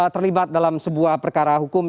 terlibat dalam sebuah perkara hukum